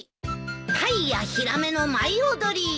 タイやヒラメの舞い踊り。